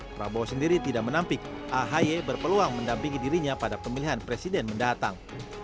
prabowo sendiri tidak menampik ahy berpeluang mendampingi dirinya pada pemilihan presiden mendatang